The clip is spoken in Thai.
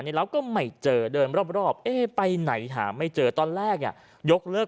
ในร้าวก็ไม่เจอเดินรอบไปไหนหาไม่เจอตอนแรกยังยกเลิก